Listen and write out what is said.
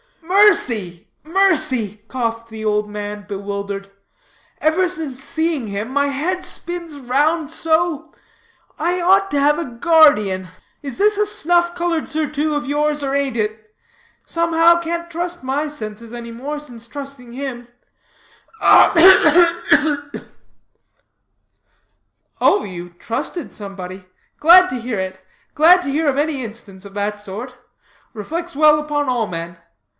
"Mercy, mercy!" coughed the old man, bewildered, "ever since seeing him, my head spins round so. I ought to have a guard_ee_an. Is this a snuff colored surtout of yours, or ain't it? Somehow, can't trust my senses any more, since trusting him ugh, ugh, ugh!" "Oh, you have trusted somebody? Glad to hear it. Glad to hear of any instance, of that sort. Reflects well upon all men.